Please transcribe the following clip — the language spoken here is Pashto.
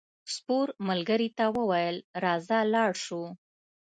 سپور ملګري ته وویل راځه لاړ شو.